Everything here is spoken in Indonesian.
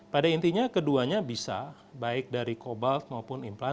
pada intinya keduanya bisa baik dari cobalt maupun implan